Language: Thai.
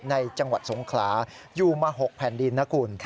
ในจังหวัดสงขลาอยู่มา๖แผ่นดินนะคุณ